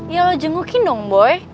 ya lo jengukin dong boy